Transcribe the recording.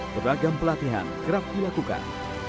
beragam pelatihan kerap dilakukan